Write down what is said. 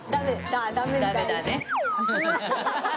ダメだね。